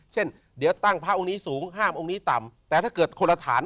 เช่นเดี๋ยวตั้งพระองค์นี้สูงห้ามองค์นี้ต่ำแต่ถ้าเกิดคนละฐาน